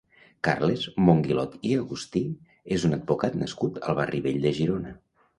Carles Monguilod i Agustí és un advocat nascut al Barri Vell de Girona.